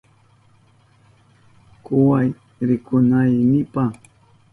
Kuway rikunaynipa.